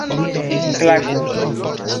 klaku